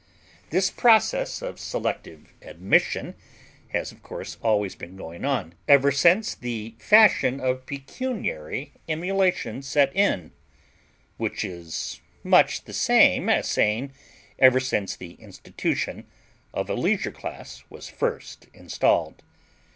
This process of selective admission has, of course, always been going on; ever since the fashion of pecuniary emulation set in which is much the same as saying, ever since the institution of a leisure class was first installed.